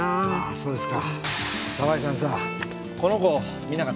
そうですか。